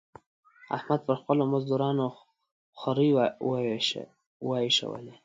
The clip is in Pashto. احمد پر خپلو مزدورانو خورۍ واېشولې.